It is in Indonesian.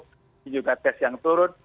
tapi juga tes yang turun